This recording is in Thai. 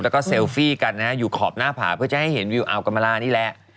แล้วก็เซลฟี่กันนะฮะอยู่ขอบหน้าผาเพื่อจะให้เห็นวิวอัลกรรมลานี่แหละ